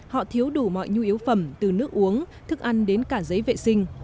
họ thiếu đủ mọi nhu yếu phẩm từ nước uống thức ăn đến cả giấy vệ sinh